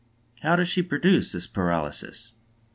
How does she produce this paralysis?